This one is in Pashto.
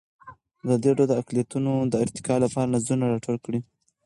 ازادي راډیو د اقلیتونه د ارتقا لپاره نظرونه راټول کړي.